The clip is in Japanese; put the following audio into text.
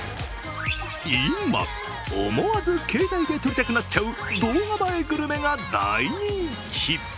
今、思わず携帯で撮りたくなっちゃう動画映えグルメが大人気。